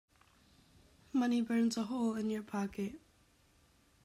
Money burns a hole in your pocket.